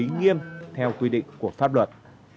xử lý nghiêm theo quy định của pháp luật